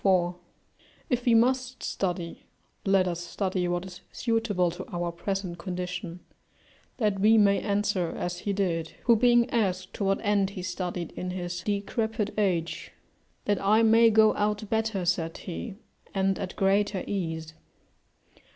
] If we must study, let us study what is suitable to our present condition, that we may answer as he did, who being asked to what end he studied in his decrepit age, "that I may go out better," said he, "and at greater ease."